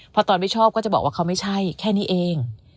พอตอนไม่ชอบก็จะบอกว่าเขาไม่ใช่แค่นี้เอง